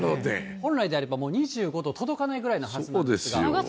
本来であれば２５度届かないぐらいのはずなんですが。